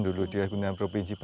dulu di agungan provinsi